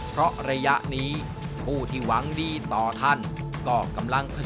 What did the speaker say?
เพราะระยะนี้ผู้ที่หวังดีต่อท่านก็กำลัง